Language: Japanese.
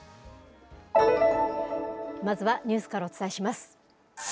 まずはニュースからお伝えします。